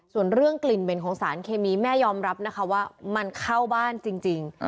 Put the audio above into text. ส่วนเรื่องกลิ่นเหม็นของสารเคมีแม่ยอมรับนะคะว่ามันเข้าบ้านจริง